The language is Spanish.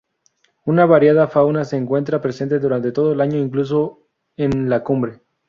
Una variada fauna se encuentra presente durante todo el año, incluso en la cumbre.